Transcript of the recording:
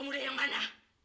pemuda yang mana